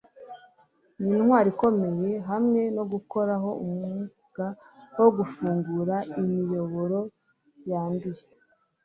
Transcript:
nintwari ikomeye hamwe no gukoraho umwuga wo gufungura imiyoboro yanduye